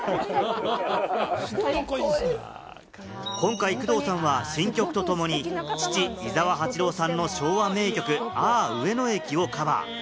今回、工藤さんは新曲と共に父・井沢八郎さんの昭和の名曲『あゝ上野駅』をカバー。